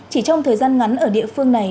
chỉ trong thời gian ngắn ở địa phương này